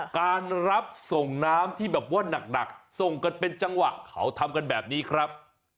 การรับส่งน้ำที่แบบว่าหนักส่งกันเป็นจังหวะเขาทำกันแบบนี้ครับ